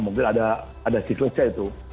mungkin ada siklesnya itu